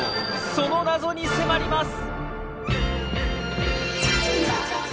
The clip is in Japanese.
その謎に迫ります！